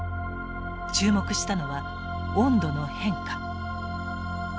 注目したのは温度の変化。